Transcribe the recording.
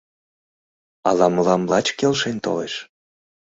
Ала мылам лач келшен толеш?